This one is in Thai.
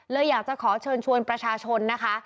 อยากจะขอเชิญชวนประชาชนนะคะ